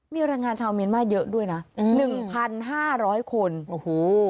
มีแรงงานชาวเมียนมาเยอะด้วยนะอืมหนึ่งพันห้าร้อยคนโอ้โห